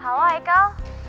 halo hai kal